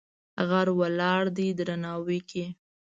غر ولاړ دی درناوی کې.